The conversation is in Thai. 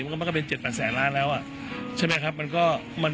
ก็มันก็เป็น๗๘แสนล้านแล้วอ่ะใช่ไหมครับ